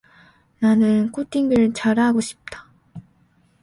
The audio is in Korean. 나는 코딩을 잘하고 싶다.